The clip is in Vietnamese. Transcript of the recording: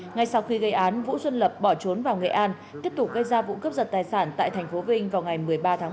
ngay sau khi gây án vũ xuân lập bỏ trốn vào nghệ an tiếp tục gây ra vụ cướp giật tài sản tại tp vinh vào ngày một mươi ba tháng một